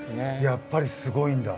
やっぱりすごいんだ？